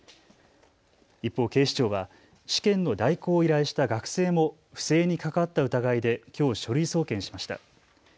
一方、警視庁は試験の代行を依頼した学生も不正に関わった疑いできょう、書類送検しました。